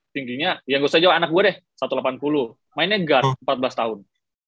tingginya ya gak usah jawab anak gue deh satu ratus delapan puluh mainnya guard empat belas tahun